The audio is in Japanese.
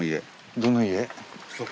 どの家？